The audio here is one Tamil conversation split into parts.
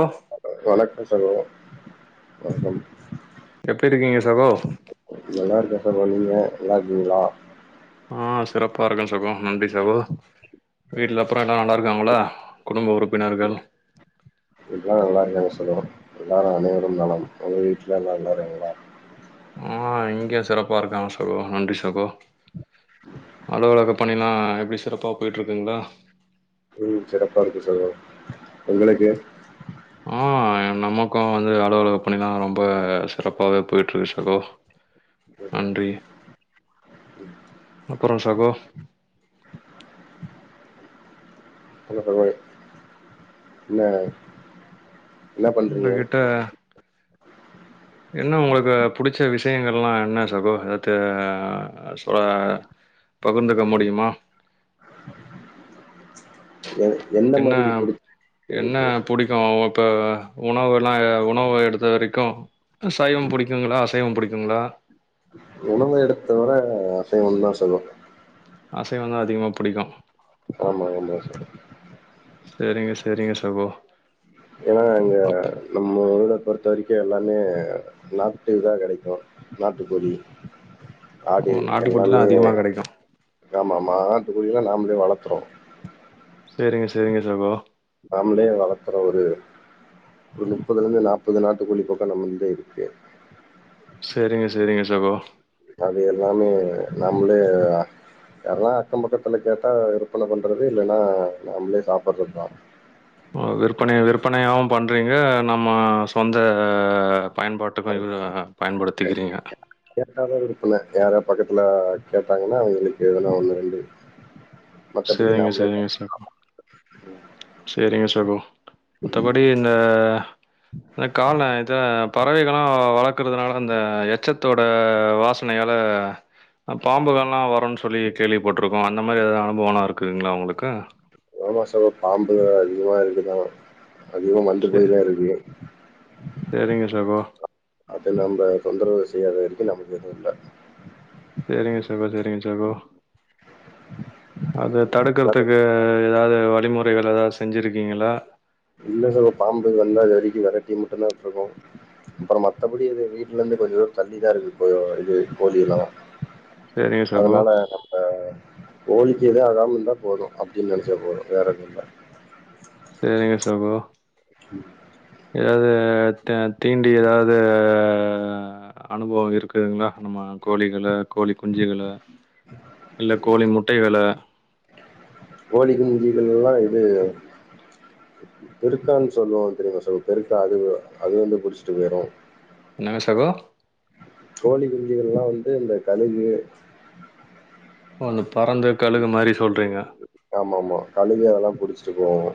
ஓ வணக்கம் சகோ வணக்கம் எப்டி இருக்கீங்க சகோ நல்லா இருக்கே சகோ நீங்க நல்லா இருக்கீங்களா ஆ சிறப்பா இருக்க சகோ நன்றி சகோ வீட்ல அப்புறோ எல்லா நல்லா இருக்காங்களா குடும்ப உறுப்பினர்கள் எல்லா நல்லா இருக்காங்க சகோ எல்லாரு அனைவரும் நலம் உங்க வீட்ல எல்லாரு நல்லா இருக்காங்களா ஆ இங்க சிறப்பா இருக்காங்க சகோ நன்றி சகோ அலுவலக பணி எல்லா எப்டி சிறப்பா போயிட்டு இருக்குங்களா ம் சிறப்பா இருக்கு சகோ உங்களுக்கு ஆ நமக்கு வந்து அலுவலக பணி எல்லா ரொம்ப சிறப்பாவே போய்ட்டு இருக்கு சகோ நன்றி அப்றோ சகோ [unintelligible] என்ன பண்றீங்க உங்ககிட்ட என்ன உங்களுக்கு புடிச்ச விஷயங்கள்லா என்ன சகோ எதாட்டு ஆ பகிர்ந்துக்க முடியுமா எ- எந்த என்ன மாதிரி பிடிச்சி என்ன இருக்கீங்க சகோ புடி கு இப்ப உணவு எல்லா உணவு எடுத்த வரைக்கு ஆ சைவம் புடிக்குங்களா அசைவம் புடிக்குங்களா உணவ எடுத்த வர அசைவத்தா சகோ அசைவந்தா அதிகமா புடிக்கு ஆமா ஆமா சகோ செரிங்க செரிங்க சகோ ஏன்னா அங்க அப் நம்ம ஊர பொறுத்த வரைக்கு எல்லாமே நாக்டிவ் தா கெடைக்கு நாட்டுக்கோழி ஓ ஆடு நாட்டுக்கோழிலா எல்லாமே அதிகமா கெடைக்கு ஆமா ஆமா ஆட்டு கோழி எல்லா நாமளே வளத்துறோ சேரிங்க சேரிங்க சகோ நாமளே வளத்துற ஒரு ஒரு முப்பதுல இருந்து நாற்பது நாட்டு கோழி பக்கோ நம்மகிட்டே இருக்கு செரிங்க செரிங்க சகோ அது எல்லாமே நம்மளே எல்லா அக்கம் பக்கத்துல கேட்டா விற்பன பண்றது இல்லன்னா நம்மளே சாப்பட்ற தா ஓ விற்பனை விற்பனையாவு பண்ணுறீங்க நம்ம சொந்த பயன்பாட்டுக்கு இவ பயன்படுத்திக்கிறீங்க கேட்டாதா விருப்பனே யார பக்கத்துல கேட்டாங்கன்னா அவங்களுக்கு எதனா ஒண்ணு ரெண்டு சேரிங்க சேரிங்க சேர் சேரிங்க சகோ மத்தபடி இந்த இந்த கால இத பறவைகளா வளர்க்கதுனால அந்த எச்சத்தோட வாச னையால பாம்புகள்லா வருன் சொல்லி கேள்விபட்டுருக்கோ அந்த மாரி எதாவது அனுபவனா இருக்குங்களா உங்குளுக்கு ஒரு மாசமா பாம்பு அதிகமா இருக்குதா அதிகமா சே வந்துட்டேதா இருக்கு சரிங்க சகோ. அப்ப நம்ப தொந்தரவு செய்யாத வரைக்கு நமக்கு எது இல்ல செரிங்க சகோதரியின் சகோ அத தடுக்கறதுக்கு ஏதாவது வழிமுறைகள் எதாவது செஞ்சிருக்கீங்களா இல்ல சகோ பாம்பு வந்தா அத அரிக்கு வெரட்டி மட்டுமான்ட்ருக்கோ அப்புற மத்தபடி ஏதோ வீட்ல இருந்து கொஞ்ச ஊர் தள்ளிதா இருக்கு போய் இது கோழில்லா சரிங்க சகோ, அதனால ஆ கோழிக்கு எது ஆகாம இருந்தா போது அப்டின் நெனைச்ச போது வேற எதுவு இல்ல சேரிங்க சகோ ஏதாவது த தீண்டி ஏதாவது அனுபவ இருக்குதுங்களா நம்ம கோழிகள கோழிகுஞ்சிகள இல்ல கோழி முட்டைகள கோழி குஞ்சுகலெல்லா இது பெருக்கான்னு சொல்லுவாங் தெரியுங்க சொ பெருக்கா அது அது வந்து புடிச்ட்டு போயிறு என்ன சகோ கோழி குஞ்சுகள்லா வந்து அந்த கழுகு அந்த பருந்து கழுகு மாரி சொல்றீங்க ஆமா ஆமா கழுகு அதெல்லா புடிச்ட்டு போவாங்க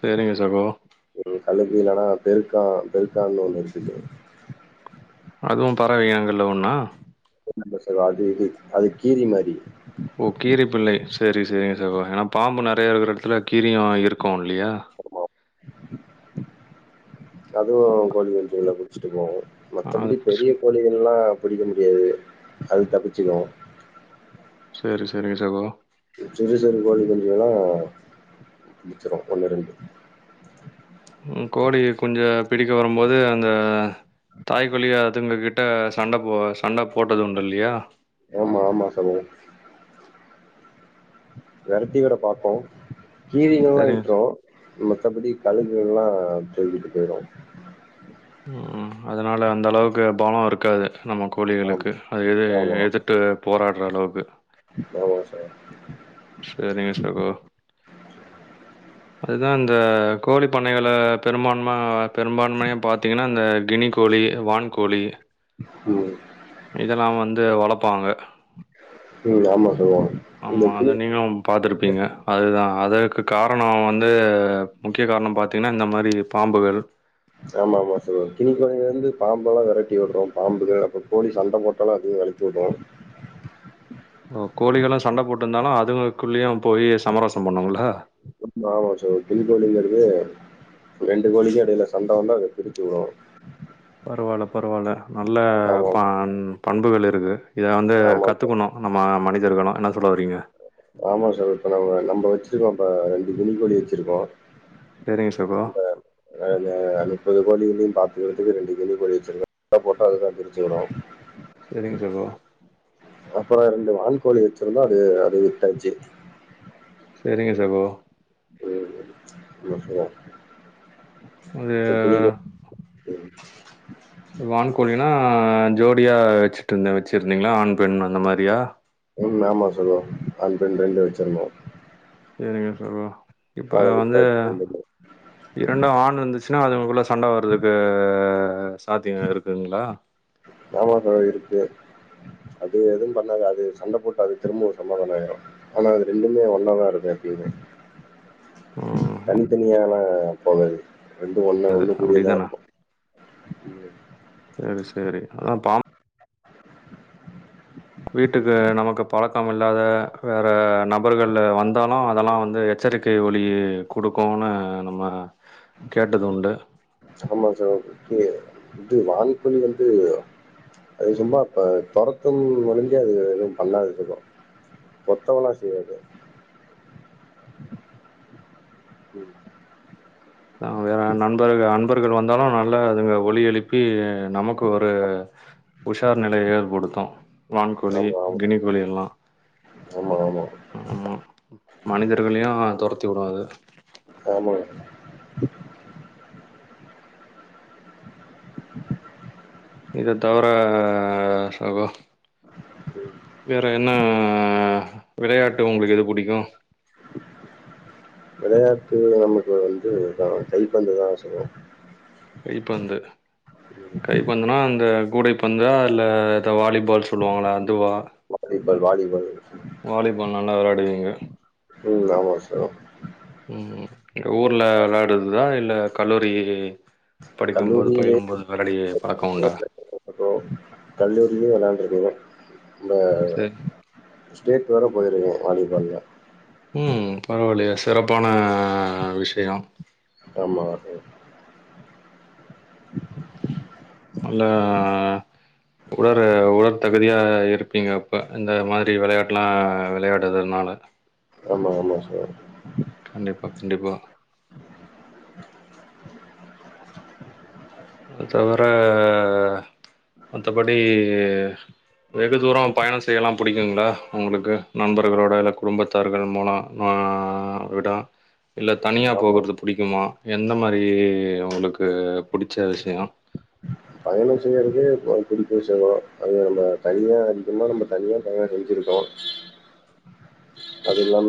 சேரிங்க சகோ கழுப்ப இல்லைனா பெருக்கா பெருக்கான்னு ஒன்றுச்சு அதுவு பறவை அதுல ஒண்ணா [unintelligible] அது இது அது கீறி மாரி ஓ கீரி பிள்ளை சேரி சேரிங்க சகோ ஏன்னா பாம்பு நெறைய இருக்கற எடத்துல கீரியு இருக்குல்லியா [unintelligible] அதுவு கோழிக்குஞ்சு இல்ல ச்சிடு வாங்க ஆ அது மத்தபடி புடிச்சு பெரிய கோழிகலெல்லா பிடிக்க முடியாது அது தப்பிச்சுரு செரி செரிங் சகோ சிறு சிறு கோழி குஞ்சுகலெல்லா பிடிச்சிரு ஒன்னு ரெண்டு கோழி குஞ்ச பிடிக்க வரும்போது அந்த தாய்கோழி அதுங்க கிட்ட சண்ட போ சண்ட போட்டது உண்டு இல்லையா ஆமா ஆமா சகோ விரட்டி விட பாக்கு கீரிங்கல்லா சேரிங்க விட்ரு மத்த படி கழுகுகல்லா தூக்கிட்டு போயிரு அ அதனால அந்த அளவுக்கு பலோ இருக்காது நம்ம ஆம் கோழிகளுக்கு அதுவே எது ஆமா எதிர்த்து போராட்ற அளவுக்கு ஆமா சகோ செரிங்க சகோ அதுதா அந்த கோழி பண்ணைகள பெரும்பான்ம பெரும்பான்மையா பாத்திங்கனா இந்த கினிக்கோழி வான்கோழி [inaudible] இதெல்லா வந்து வளப்பாங்க ம் ஆமா சொல்லுவாங்க இந்த ஆமா கிளி அத நீங்களு பாத்துருப்பீங்க அதுதா அதற்கு காரணோ வந்து முக்கிய காரணம் பாத்தீங்கன்னா இந்த மாதிரி பாம்புகள் ஆமா ஆமா [unintelligible] இருந்து பாம்பல்லா வெரட்டி விடுறோ பாம்புகள் அப்றோ கோழி சண்ட போட்டாலு அதிக வெ [unintelligible] ஓ கோழிகள்ள சண்ட போட்டிருந்தாலு அதுங்கக்குள்ளேயு போய் சமரசம் பண்ணுங்கள ஆமா சகோ [unintelligible] ரெண்டு கோழிக்கு எடைல சண்ட வந்தா அத பிரிச்சு விடுவோ பரவால்ல பரவால்ல நல்ல ஆமா ப பண்புகள் இருக்கு இத வந்து ஆமா சார் கத்துக்கணு நம்ம மனிதர்களு என்ன சொல்ல வாரீங்க ஆமா சகோ இப்ப நம்ம நம்ம வெச்சிருக்கோ இப்ப ரெண்டு கிளிக்கோழி வெச்சிருக்கோ சரிங்க சகோ. இங்க முப்பது கோழிகளையு பாக்கிறதுக்கு ரெண்டு கினிகோழி கோழி வெச்சிருக்கோ சண்ட போட்டா அத பிரிச்சி விடு சேரிங்க சகோ அப்றோ ரெண்டு வான்கோழி வெச்சிருந்தோ அத வித்தாச்சு சேரிங்க சகோ ம் என்ன சொல்ல அது இப்ப கினிகோ ம் இப்போ வான்கோழினா ஜோடிய வெச்சுட்டுருந்து வெச்சுருந்தீங்களா ஆண், பெண் அந்த மாதிரியா ம் ஆமா சகோ ஆண், பெண் ரெண்டு வெச்சிருந்தோ சேரிங்க சகோ இப்போ அத வந்து வித்தாச்சு ரெண்டுமே இரண்டு ஆண் இருந்துச்சுன்னா அதுக்குள்ள சண்ட வறதுக்கு சாத்திய இருக்குங்களா ஆமா சகோ இருக்கு அது எதுவு பண்ணாது அது சண்ட போட்டு அது திரும்ப சமாதானம் ஆயிரு ஆனா அது ரெண்டுமே ஒன்னாதா இருக்கு எப்பயுமே ம் தனித்தனியால்லா போகாது ரெண்டு ஒண்ணு ஒண்ணு கூடியேதா அப்டிதானா? இரு சேரி சேரி அதா பாம் வீட்டுக்கு நமக்கு பழக்கம் இல்லாத வேற நபர்கள் வந்தாலு அதெல்லா வந்து எச்சரிக்க ஒலிய குடுக்குனு நம்ம கேட்டதுண்டு ஆமா சகோ இது வான்கோழி வந்து அது சும்மா இப்ப துரத்து முடிஞ்சி அது எதுவு பண்ணாது சகோ கொத்தவல்லா செய்யாது ம். ஆ நம்ப நண்பர்கள் அன்பர்கள் வந்தாலு நல்ல அதுங்க ஒலி எழுப்பி நமக்கு ஒரு உஷார் நிலைய ஏற்படுத்து வான்கோழி, ஆமா, ஆமா. கினிக்கோழி எல்லா ஆமா ஆமா ஆமா மனிதர்களையு தொரத்தி விடு அது ஆமாங் இத தவிர சகோ வேற என்ன விளையாட்டு உங்களுக்கு எது புடிக்கு விளையாட்டு நமக்கு வந்து இதுதா கைபந்து தா சகோ கைபந்து கை பந்துனா இந்த கூடைபந்தா இல்ல இத வாலிபால் சொல்லுவாங்களா அதுவா வாலிபால் வாலிபால் வாலிபால் நல்லா வெளாடுவீங்க ம் ஆமா சகோ ம் ஊர்ல விளாடுறதுதா இல்ல கல்லூரி படிக்கும்போது கல்லூரியிலேயே பகிலும் போது விளாடி பழக்க உண்டா ப்ரோ கல்லூரியில விளாண்ட்ருக்கங்க நம்ப செரி ஸ்டேட் வர போயிருக்கே வாலிபால்ல ம் பரவாயில்லயே சிறப்பான விஷயோ ஆமா அல்லா உயர உடற் தகுதியா இருப்பீங்க அப்ப இந்த மாரி விளையாட்டுலா விளையாட் டதுனால ஆமா ஆமா ஆ சேரி கண்டிப்பா கண்டிப்பா அத தவிர மத்தபடி வெகு தூர பயண செய்யலா பிடிக்குங்களா உங்களுக்கு நண்பர்களோட இல்ல குடும்பத்தார்கள் மூல ஆ விடா இல்ல தனியா ஆமா. போகறது புடிக்குமா எந்த மாரி உங்களுக்கு புடிச்ச விஷயோ பயண செய்யறக்கு பிடிக்கு சகோ அது நம்ம தனியா அதிகமாக நம்ம தனியா பயண செஞ்சுருக்கோ அது இல்லா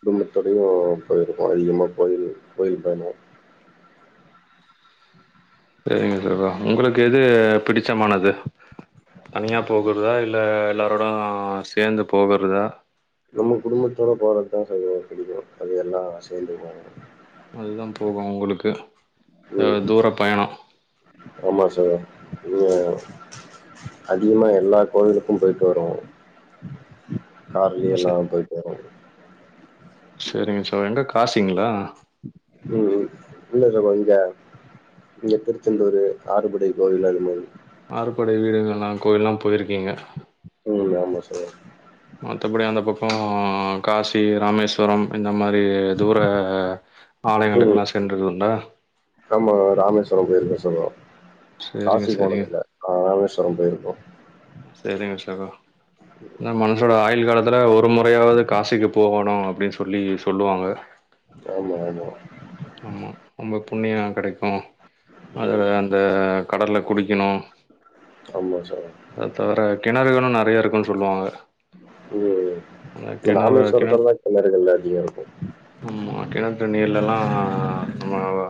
குடும்பத்தோடயு போயிருக்கோ அதிகமா கோயில் கோயில் பயணோ செரிங்க சகோ உங்களுக்கு எது பிடிச்சமானது தனியா போகிறதா இல்ல எல்லாரோட சேந்து போகறதா நம்ம குடும்பத்தோட போறது தா பிடிக்கு அது எல்லா சேர்ந்து போவோ அதுதா போகு உங்களுக்கு அ ம். தூர பயணோ ஆமா சகோ அதிகமா எல்லா கோயிலுக்கு போயிட்டு வருவோ கார்லே சே எல்லா போயிட் செரிங்க சகோ எங்க காசிங்களா ம் ம் இல்ல சகோ இங்க இங்க திருச்செந்தூரு ஆறுபடை கோயில் அதுமாரி ஆறுபடை வீடுகள்லா கோயில்லா போயிருக்கீங்க ம் ஆமா சகோ மத்தபடி அந்த பக்கோ காசி ராமேஸ்வரம் இந்த மாரி தூர ம் ஆலயங்களுக்கெல்லா சென்றது உண்டா ஆமா ராமேஸ்வரம் போயிருக்கே சகோ சேரிங்க காசி சேரிங்க போனதில்ல ஆ ராமேஸ்வரம் போயிருக்கோ செரிங்க சகோ இந்த மனசோட ஆயிள் காலத்தில ஒரு முறையாவது காசிக்கு போகணு அப்டின்னு சொல்லி சொல்லுவாங்க ஆமா ஆமா ஆமா ரொம்ப புண்ணிய கெடைக்கு ம் அது அந்த கடல்ல குளிக்கணு ஆமா சகோ அத தவிர கிணறுகலு நிறைய இருக்குன்னு சொல்லுவாங்க ம் அந்த இது கிணறு கிணத் ராமேஸ்வரத்துலதா கிணறுகள் அதிகோ இருக்கு ஆமா கிணத் தண்ணியிலெல்லா ஆ நம்மவ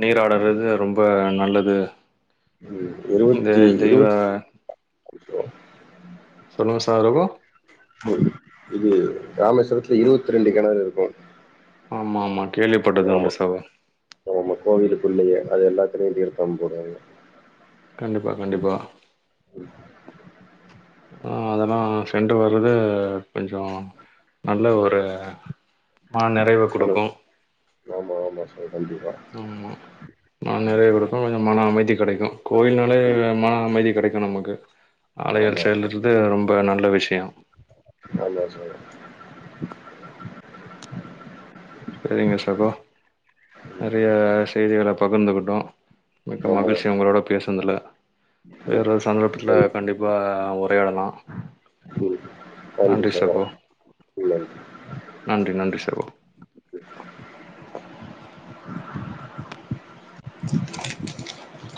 நீராடறது ரொம்ப நல்லது ம் இந்த இருவத்தி தெய்வ இருவத் சொல்லுங்க சாரகோ ம் இது ராமேஸ்வரத்ல இருவத் ரெண்டு கெணறிருக்கு ஆமா ஆமா கேள்விப்பட்டதுண்டு சகோ கோவிலுக்குள்ளயே அது எல்லாத்தலையு தீர்த்தம் போடுவாங்க கண்டிப்பா கண்டிப்பா ஆ அதெல்லா சென்று வரது கொஞ்சோ நல்ல ஒரு மன நிறைவு குடுக்கும் செ கண்டிப்பா அம்மா மன நிறைவுருக்கு கொஞ்சோ மன அமைதி கெடைக்கு கோயில்னாலே மன அமைதி கெடைக்கு நமக்கு அலயல் ஆமா, செயலுறது ரொம்ப நல்ல விஷயோ ஆமா சகோ சேரிங்க சகோ ம். நெறையா செய்திகள பகுந்துக்கிட்டோ மிக்க ஆமா. மகிழ்ச்சி உங்களோட பேசுனதுல ம். வேறொரு சந்தர்ப்பத்ல ம். கண்டிப்பா உரையாடலா ம். நன்றி சகோ ம். நன்றி நன்றி சகோ